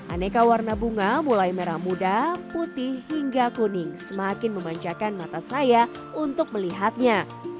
aneka warna bunga mulai merah muda putih hingga kuning semakin memanjakan mata saya untuk melihatnya